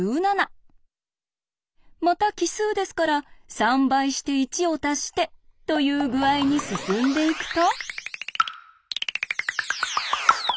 また奇数ですから３倍して１をたしてという具合に進んでいくと。